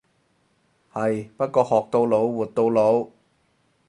係，不過學到老活到老。